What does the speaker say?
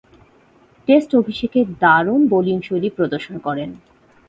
Test অভিষেকে দারুণ বোলিংশৈলী প্রদর্শন করেন।